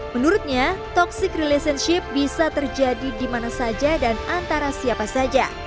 menurutnya toxic relationship bisa terjadi di mana saja dan antara siapa saja